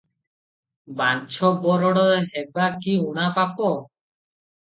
ବାଞ୍ଝ ବରଡ଼ ହେବା କି ଊଣା ପାପ?